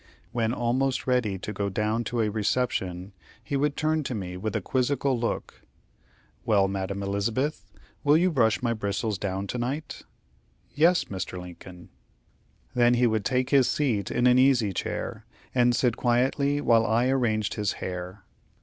When almost ready to go down to a reception, he would turn to me with a quizzical look: "Well, Madam Elizabeth, will you brush my bristles down to night?" "Yes, Mr. Lincoln." Then he would take his seat in an easy chair, and sit quietly while I arranged his hair.